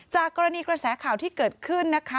จากกรณีกระแสข่าวที่เกิดขึ้นนะคะ